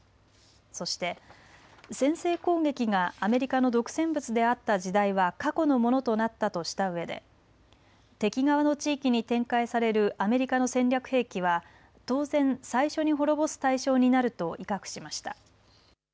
そして、先制攻撃がアメリカの独占物であった時代は過去のものとなったとしたうえで敵側の地域に展開されるアメリカの戦略兵器は当然最初に滅ぼす対象になると威嚇しました。